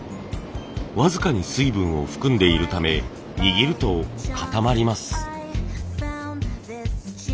僅かに水分を含んでいるため握ると固まります。